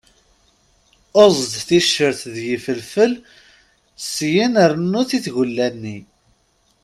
Eẓd ticcert n yifelfel syen rnu-t i tgulla-nni.